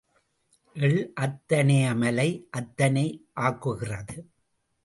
எள் அத்தனையை மலை அத்தனை ஆக்குகிறது.